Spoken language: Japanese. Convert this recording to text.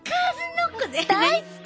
大好き！